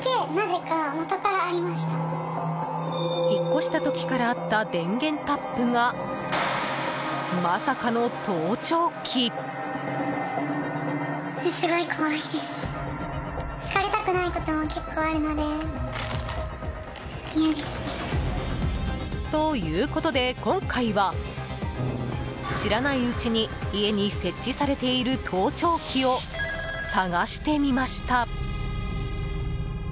引っ越した時からあった電源タップが、まさかの盗聴器。ということで今回は知らないうちに家に設置されている盗聴器を探してみました。